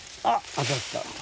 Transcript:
当たった。